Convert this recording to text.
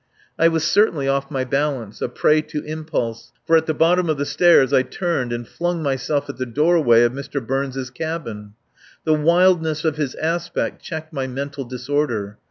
I was certainly off my balance, a prey to impulse, for at the bottom of the stairs I turned and flung myself at the doorway of Mr. Burns' cabin. The wildness of his aspect checked my mental disorder.